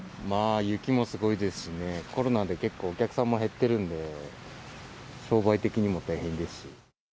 まあ、雪もすごいですしね、コロナで結構お客さんも減ってるんで、商売的にも大変ですし。